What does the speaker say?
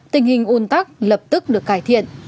tình hình ủn tắc lập tức được cải thiện